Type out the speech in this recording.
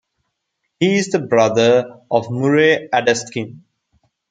He is the brother of Murray Adaskin.